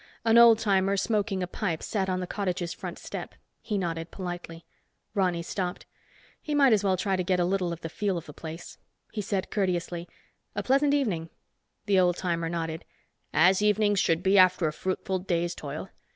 An old timer smoking a pipe, sat on the cottage's front step. He nodded politely. Ronny stopped. He might as well try to get a little of the feel of the place. He said courteously, "A pleasant evening." The old timer nodded. "As evenings should be after a fruitful day's toil.